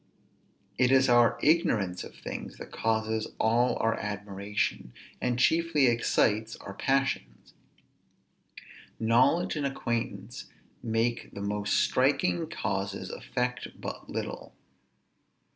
It is our ignorance of things that causes all our admiration, and chiefly excites our passions. Knowledge and acquaintance make the most striking causes affect but little.